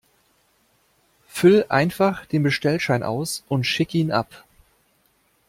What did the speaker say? Füll einfach den Bestellschein aus und schick ihn ab.